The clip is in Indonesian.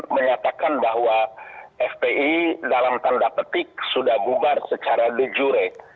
menyatakan bahwa fpi dalam tanda petik sudah bubar secara de jure